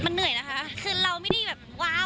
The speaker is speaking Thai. เหนื่อยนะคะคือเราไม่ได้แบบว้าว